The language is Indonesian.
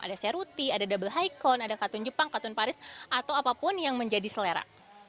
ada seruti ada double haikon ada katun jepang katun paris atau apapun yang menjadi selera